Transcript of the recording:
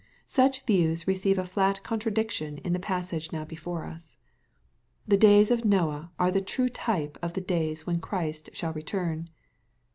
Such views receive a flat contradiction in the passage now before us. The days of Noah are the true type of the days when Christ shall return.